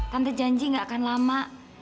tante janji gak akan lama